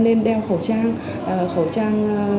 nên đeo khẩu trang khẩu trang